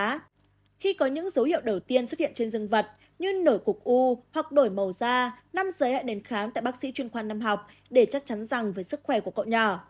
trong khi có những dấu hiệu đầu tiên xuất hiện trên rừng vật như nổi cục u hoặc đổi màu da nam giới hãy đến khám tại bác sĩ chuyên khoa năm học để chắc chắn rằng với sức khỏe của cậu nhỏ